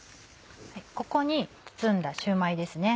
ここに包んだシューマイですね。